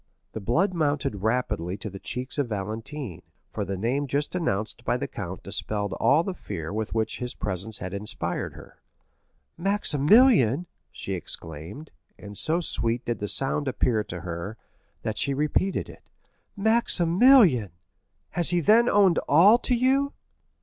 The blood mounted rapidly to the cheeks of Valentine, for the name just announced by the count dispelled all the fear with which his presence had inspired her. "Maximilian!" she exclaimed, and so sweet did the sound appear to her, that she repeated it—"Maximilian!—has he then owned all to you?"